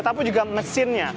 tapi juga mesinnya